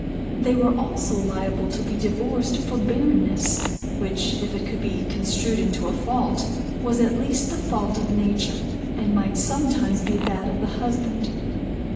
They were also liable to be divorced for barrenness, which, if it could be construed into a fault, was at least the fault of nature, and might sometimes be that of the husband.